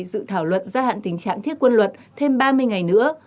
dự thảo luật gia hạn tình trạng thiết quân luật thêm ba mươi ngày nữa